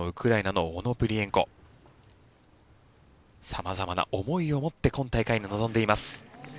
様々な思いを持って今大会に臨んでいます。